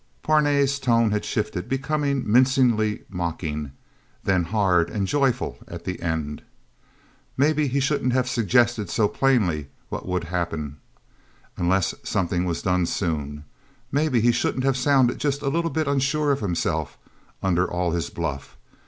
Parnay's tone had shifted, becoming mincingly mocking, then hard and joyful at the end. Maybe he shouldn't have suggested so plainly what would happen unless something was done, soon. Maybe he shouldn't have sounded just a little bit unsure of himself under all his bluff.